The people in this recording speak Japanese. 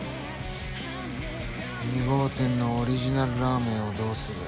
２号店のオリジナルラーメンをどうする？